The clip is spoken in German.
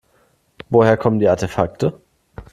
Woher kommen die Artefakte?